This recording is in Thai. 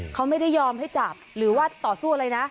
เขาไม่ได้ยอมให้จับหรือว่าต่อสู้อะไรนะ